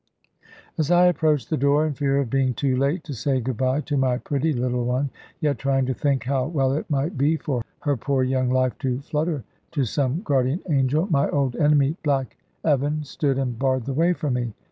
As I approached the door in fear of being too late to say good bye to my pretty little one, yet trying to think how well it might be for her poor young life to flutter to some guardian angel, my old enemy Black Evan stood and barred the way for me.